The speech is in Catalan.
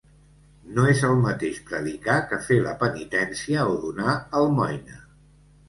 No és el mateix predicar que fer la penitència o donar almoina.